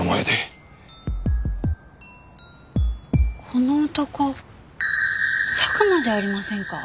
この男佐久間じゃありませんか？